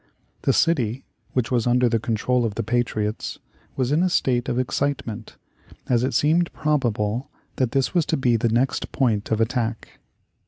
The city, which was under the control of the patriots, was in a state of excitement, as it seemed probable that this was to be the next point of attack.